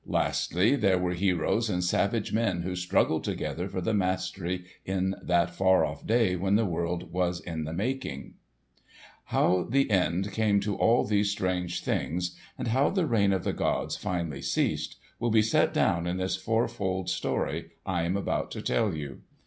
Lastly there were heroes and savage men who struggled together for the mastery in that far off day when the world was in the making. [#] Pronounced Nee bel oongs. How the end came to all these strange things, and how the reign of the gods finally ceased, will be set down in this fourfold story I am about to tell you.